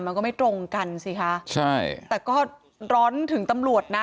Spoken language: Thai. มันก็ไม่ตรงกันสิคะใช่แต่ก็ร้อนถึงตำรวจนะ